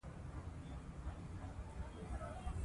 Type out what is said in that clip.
ژورې سرچینې د افغانستان د سیاسي جغرافیې یوه ډېره مهمه برخه ده.